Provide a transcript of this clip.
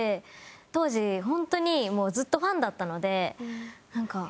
当時本当にもうずっとファンだったのでなんか